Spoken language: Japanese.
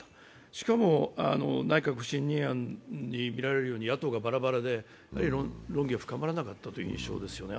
しかも内閣不信任案に見られるように野党がばらばらで論議が深まらなかったという印象ですね。